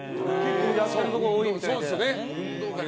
やってるところ多いみたいで。